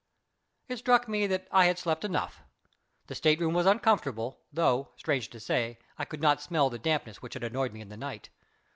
It struck me that I had slept enough. The state room was uncomfortable, though, strange to say, I could not smell the dampness which had annoyed me in the night.